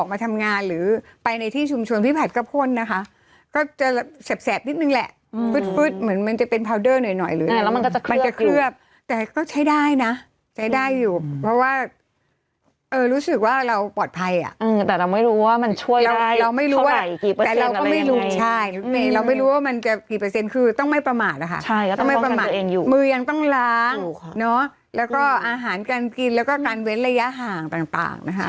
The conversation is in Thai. ไปทำงานหรือไปในที่ชุมชวนพี่ผัดกระโพนนะคะก็จะแสบแสบนิดหนึ่งแหละอืมฟึดฟึดเหมือนมันจะเป็นพาวเดอร์หน่อยหน่อยแล้วมันก็จะเคลือบอยู่มันจะเคลือบแต่ก็ใช้ได้นะใช้ได้อยู่เพราะว่าเออรู้สึกว่าเราปลอดภัยอ่ะอืมแต่เราไม่รู้ว่ามันช่วยได้เราไม่รู้ว่าเท่าไหร่กี่เปอร์เซ็นต์อะไรยังไงใช่เราไม่รู้ว่ามั